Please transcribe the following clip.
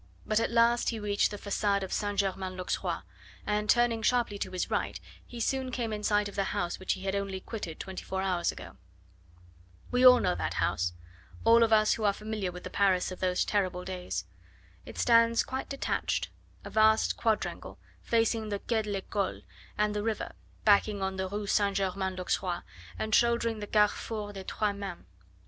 But at last he reached the facade of St. Germain l'Auxerrois, and turning sharply to his right he soon came in sight of the house which he had only quitted twenty four hours ago. We all know that house all of us who are familiar with the Paris of those terrible days. It stands quite detached a vast quadrangle, facing the Quai de l'Ecole and the river, backing on the Rue St. Germain l'Auxerrois, and shouldering the Carrefour des Trois Manes.